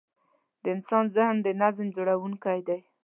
د انسان ذهن د نظم جوړوونکی دی.